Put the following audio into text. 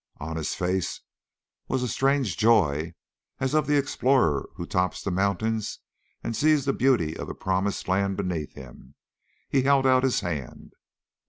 On his face was a strange joy as of the explorer who tops the mountains and sees the beauty of the promised land beneath him. He held out his hand.